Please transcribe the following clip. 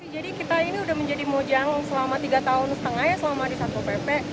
jadi kita ini sudah menjadi mojang selama tiga tahun setengah ya selama disini